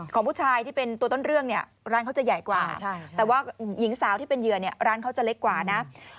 ของผู้ชายที่เป็นตัวต้นเรื่องเนี่ยร้านเขาจะใหญ่กว่าแต่ว่าหญิงสาวที่เป็นเหยื่อเนี่ยร้านเขาจะเล็กกว่านะ